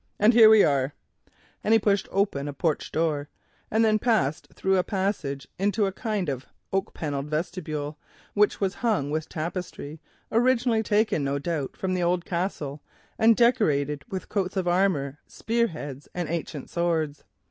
And here we are"—and he pushed open a porch door and then passed up some steps and through a passage into an oak panelled vestibule, which was hung with tapestry originally taken, no doubt, from the old Castle, and decorated with coats of armour, spear heads, and ancient swords.